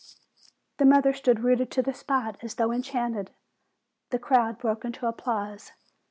The mother stood rooted to the spot, as though en chanted. The crowd broke into applause.